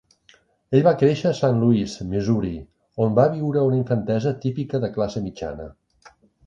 Ell va créixer a Saint Louis, Missouri, on va viure una "infantesa típica de classe mitjana".